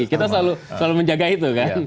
kita selalu menjaga itu kan